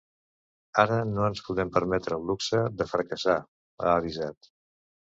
Ara no ens podem permetre el luxe de fracassar, ha avisat.